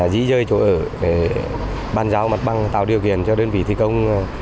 dĩ dơi chỗ ở để bàn giao mặt bằng tạo điều kiện cho đơn vị thi công